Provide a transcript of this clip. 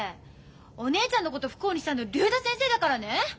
お姉ちゃんのこと不幸にしたのは竜太先生だからね！